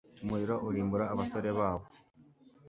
Umuriro urimbura abasore babo